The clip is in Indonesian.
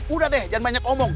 udah deh jangan banyak omong